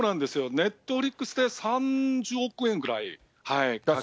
ネットフリックスで３０億円ぐらいかけて。